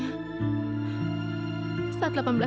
dia juga terpisah dari orang tuanya